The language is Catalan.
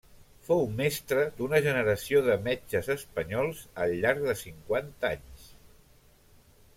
Fou mestre d'una generació de metges espanyols al llarg de cinquanta anys.